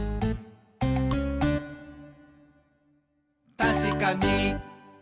「たしかに！」